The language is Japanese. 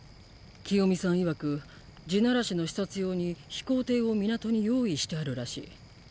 キヨミさんいわく「地鳴らし」の視察用に飛行艇を港に用意してあるらしい。